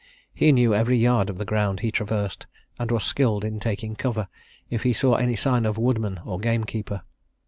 He knew every yard of the ground he traversed, and was skilled in taking cover if he saw any sign of woodman or gamekeeper.